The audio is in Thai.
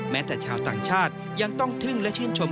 แม้แต่ชาวต่างชาติยังต้องทึ่งและชื่นชม